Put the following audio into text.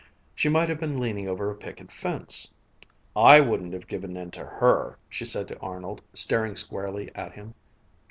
She might have been leaning over a picket fence. "I wouldn't give in to Her!" she said to Arnold, staring squarely at him.